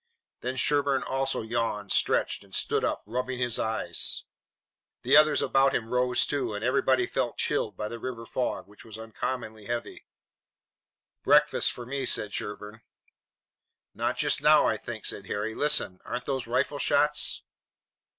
Then Sherburne also yawned, stretched, and stood up, rubbing his eyes. The others about them rose too, and everybody felt chilled by the river fog, which was uncommonly heavy. "Breakfast for me," said Sherburne. "Not just now, I think," said Harry. "Listen! Aren't those rifle shots?"